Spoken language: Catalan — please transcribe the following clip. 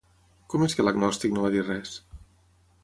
Com és que l'agnòstic no va dir res?